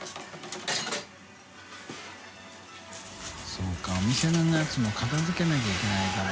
修Δお店のやつも片付けなきゃいけないからな。